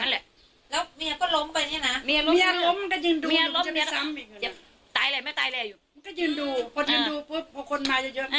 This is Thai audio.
แล้วมันยังไม่บอกกับบ้านนั้นว่า